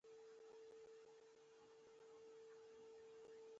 په زړه مې ویل چې د اوړي شنې کروندې څومره زړه راښکونکي وي.